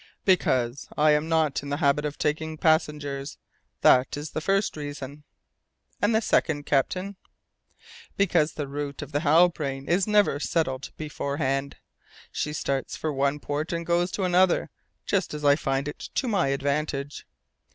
"Because I am not in the habit of taking passengers. That is the first reason." "And the second, captain?" "Because the route of the Halbrane is never settled beforehand. She starts for one port and goes to another, just as I find it to my advantage.